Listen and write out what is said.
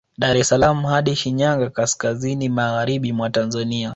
Dar es salaam hadi Shinyanga kaskazini magharibi mwa Tanzania